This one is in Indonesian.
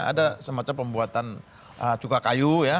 ada semacam pembuatan cuka kayu ya